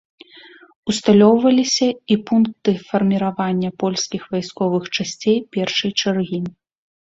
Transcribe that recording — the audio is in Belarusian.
Усталёўваліся і пункты фарміравання польскіх вайсковых часцей першай чаргі.